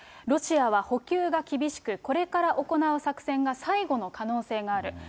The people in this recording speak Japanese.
ロシアは補給が厳しく、これから行う作戦が最後の可能性がある。